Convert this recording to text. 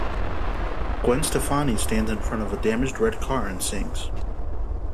Gwen Stefani stands in front of a damaged red car and sings.